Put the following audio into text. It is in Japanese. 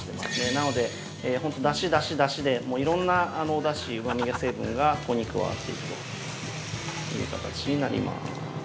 なので本当、出汁、出汁、出汁でいろんなお出汁、うまみ成分がここに加わっていくという形になります。